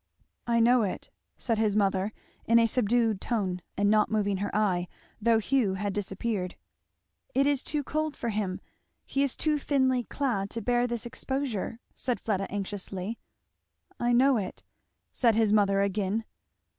"I know it," said his mother in a subdued tone, and not moving her eye, though Hugh had disappeared. "It is too cold for him he is too thinly clad to bear this exposure," said Fleda anxiously. "I know it," said his mother again.